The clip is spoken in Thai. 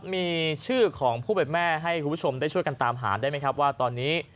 มีชื่อของผู้เป็นแม่ให้คุณผู้ชมได้ช่วยกันตามหาได้ไหมครับว่าตอนนี้